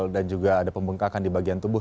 dan juga ada pembengkakan di bagian tubuh